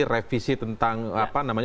revisi tentang apa namanya